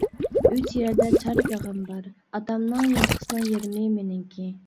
ئۈچ يەردە چار بېغىم بار، ئاتامنىڭ يىلقىسىنىڭ يېرىمى مېنىڭكى.